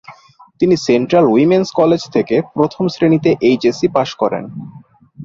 তিনি central women's college থেকে প্রথম শ্রেণীতে এইচএসসি পাশ করেন।